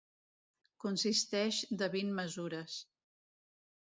Consisteix de vint mesures.